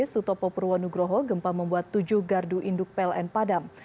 sutopo purwonugroho gempa membuat tujuh gardu induk pln padam